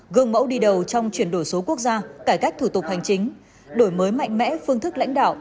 gương mẫu đi đầu trong chuyển đổi số quốc gia cải cách thủ tục hành chính đổi mới mạnh mẽ phương thức lãnh đạo